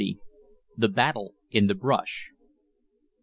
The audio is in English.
THE BATTLE IN THE BRUSH.